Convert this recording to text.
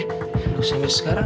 loh sampe sekarang